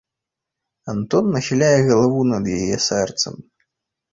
Антон нахіляе галаву над яе сэрцам.